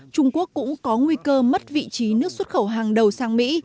trung quốc cũng có nguy cơ mất vị trí nước xuất khẩu hàng đầu sang mỹ